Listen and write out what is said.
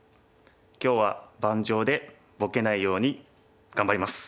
今日は盤上でボケないように頑張ります。